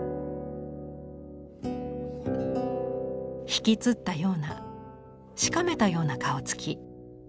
ひきつったようなしかめたような顔つき。